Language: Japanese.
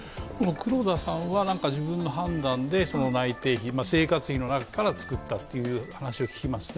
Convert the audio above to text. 黒田さんは自分の判断で内廷費、生活費の中から作ったという話を聞きますね。